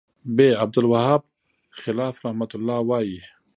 ب : عبدالوهاب خلاف رحمه الله وایی